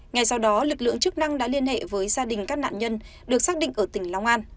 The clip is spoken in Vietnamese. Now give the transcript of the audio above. ngay sau đó lực lượng chức năng đã liên hệ với gia đình các nạn nhân được xác định ở tỉnh long an